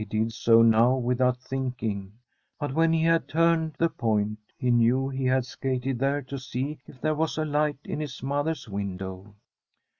He did so now without thinking, but when he had turned the point he knew he had skated there to see if there was a light in his mother's window.